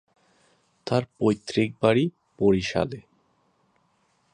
তার পৈতৃক বাড়ি বরিশালে।